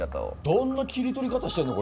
どんな切り取り方してんの？